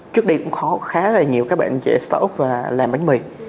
trước đi cũng khá là nhiều các bạn chế start up và làm bánh mì